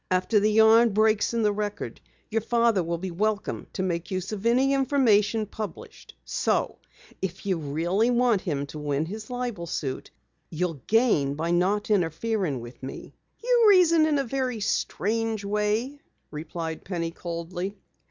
After the yarn breaks in the Record, your father will be welcome to make use of any information published. So if you really want him to win his libel suit, you'll gain by not interfering with me." "You reason in a very strange way," replied Penny coldly.